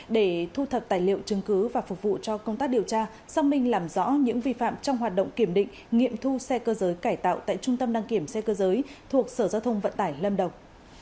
để thu thập tài liệu chứng cứ và phục vụ cho công tác điều tra xác minh làm rõ những vi phạm trong hoạt động kiểm định nghiệm thu xe cơ giới cải tạo tại trung tâm đăng kiểm xe cơ giới thuộc sở giao thông vận tải lâm đồng